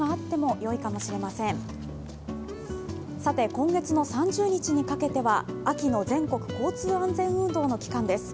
今月の３０日にかけては秋の全国交通安全運動の期間です。